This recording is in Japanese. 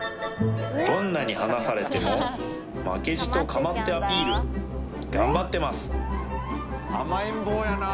どんなに離されても負けじとかまってアピールがんばってます